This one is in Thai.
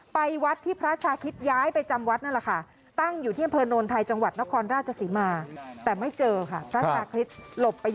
ไปวัดที่พระชาคฤทธิ์ย้ายไปจำวัดนั่นแหละค่ะ